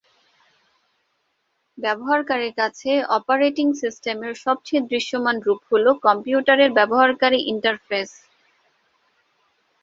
ব্যবহারকারীর কাছে অপারেটিং সিস্টেমের সবচেয়ে দৃশ্যমান রূপ হল কম্পিউটারের ব্যবহারকারী ইন্টারফেস।